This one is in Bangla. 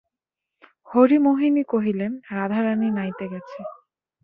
হরিমোহিনী কহিলেন, রাধারানী নাইতে গেছে।